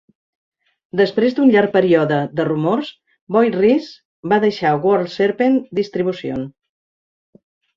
Després d'un llarg període de rumors, Boyd Rice va deixar World Serpent Distribution.